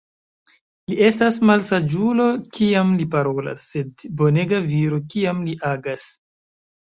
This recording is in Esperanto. Li estas malsaĝulo, kiam li parolas, sed bonega viro, kiam li agas.